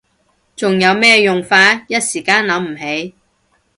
仲有咩用法？一時間諗唔起